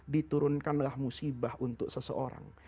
diturunkanlah musibah untuk seseorang